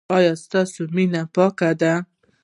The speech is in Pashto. ایا ستاسو مینه پاکه ده؟